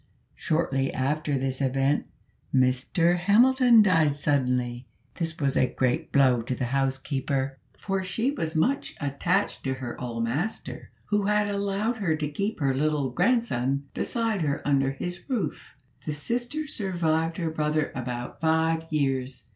Shortly after this event Mr Hamilton died suddenly. This was a great blow to the housekeeper, for she was much attached to her old master, who had allowed her to keep her little grandson beside her under his roof. The sister survived her brother about five years.